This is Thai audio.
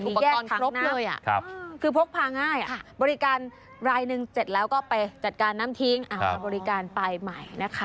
มีอุปกรณ์ครั้งน้ำคือพกพาง่ายอ่ะบริการรายหนึ่งเสร็จแล้วก็ไปจัดการน้ำทิ้งเอาบริการไปใหม่นะคะ